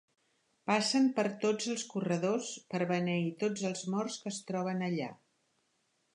Passen per tots els corredors, per beneir tots els morts que es troben allà.